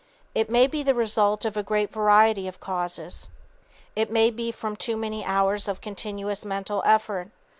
It may be the result of a great variety of causes. It may be from too many hours of continuous mental effort.